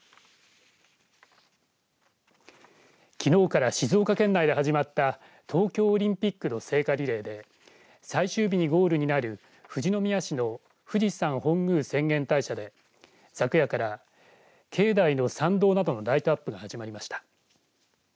きのうから静岡県内で始まった東京オリンピックの聖火リレーで最終日にゴールになる富士宮市の富士山本宮浅間大社で昨夜から境内の参道などのライトアップが始まりました。